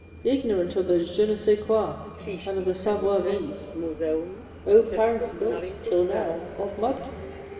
ignorant of the Je ne spais quoi and of the sf avoir vivre ! Oh ! Paris built (till now) of mud